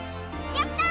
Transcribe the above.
やった！